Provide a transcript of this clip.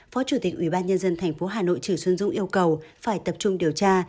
phó chủ tịch ubnd tp hà nội trừ xuân dũng yêu cầu phải tập trung điều tra